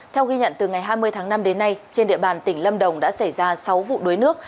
theo ghi nhận từ ngày hai mươi tháng năm đến nay trên địa bàn tỉnh lâm đồng đã xảy ra sáu vụ đuối nước